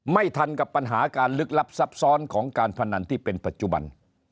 ไม่ทันกับปัญหาการลึกลับซับซ้อนของการพนันที่เป็นปัจจุบัน